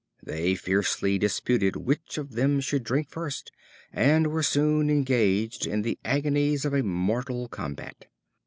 They fiercely disputed which of them should drink first, and were soon engaged in the agonies of a mortal combat.